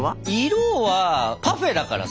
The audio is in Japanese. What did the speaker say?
色はパフェだからさ